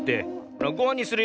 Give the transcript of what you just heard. ほらごはんにするよ。